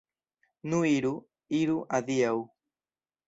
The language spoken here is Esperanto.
Nu iru, iru, adiaŭ!